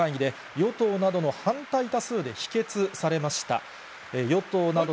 与党などの反対多数で否決されました。